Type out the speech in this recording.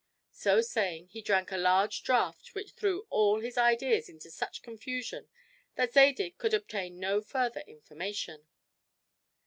So saying he drank a large draught which threw all his ideas into such confusion that Zadig could obtain no further information.